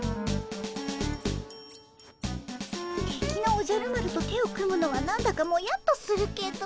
敵のおじゃる丸と手を組むのは何だかモヤッとするけど。